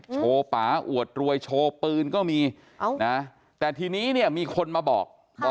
โชว์ป่าอวดรวยโชว์ปืนก็มีนะแต่ทีนี้เนี่ยมีคนมาบอก